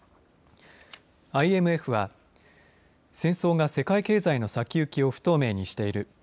ＩМＦは戦争が世界経済の先行きを不透明にしている。